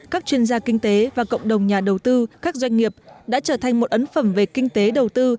các chuyên gia kinh tế và cộng đồng nhà đầu tư các doanh nghiệp đã trở thành một ấn phẩm về kinh tế đầu tư